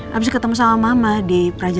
habis ketemu sama mama di praja lima